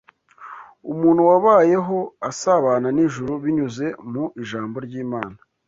Umuntu wabayeho asabana n’ijuru binyuze mu ijambo ry’Imana